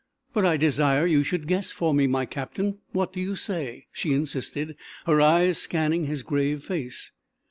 "But I desire you should guess for me, my Captain. What do you say?" she insisted, her eyes scanning his grave face.